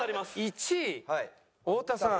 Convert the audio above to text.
１位太田さん。